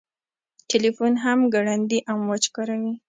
تلیفون هم ګړندي امواج کاروي.